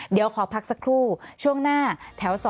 เดี๋ยวขอพักสักครู่ช่วงหน้าแถว๒